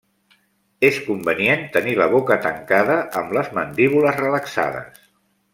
És convenient tenir la boca tancada amb les mandíbules relaxades.